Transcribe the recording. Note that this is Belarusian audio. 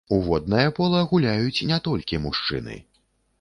У воднае пола гуляюць не толькі мужчыны.